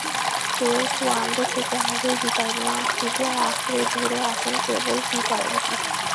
Test one-day থেকে আগেই বিদায় নেওয়া আফ্রিদি আঁকড়ে ধরে আছেন কেবল টি-টোয়েন্টি।